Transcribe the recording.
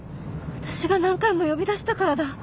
私が何回も呼び出したからだ。